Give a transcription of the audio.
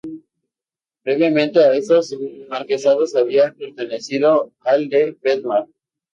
Previamente a estos Marquesados había pertenecido al de Bedmar.